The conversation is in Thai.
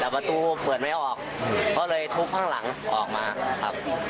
แต่ประตูเปิดไม่ออกก็เลยทุบข้างหลังออกมาครับ